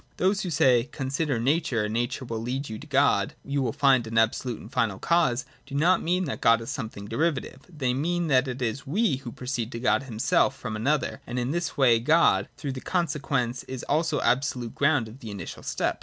Those who say :' Consider Nature, and Nature will lead you to God ; you will find an absolute final cause :' do not mean that God is something derivative : they mean that it is we who proceed to God himself from another ; and in this way God, though the consequence, is also the absolute ground of the initial step.